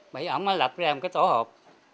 bởi vì ổng lập ra một cái tổ hộp